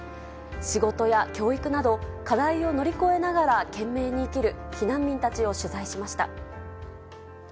仕事や教育など、課題を乗り越えながら懸命に生きる、避難民たちを取材しました。